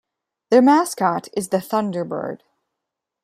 Their mascot is the Thunderbird.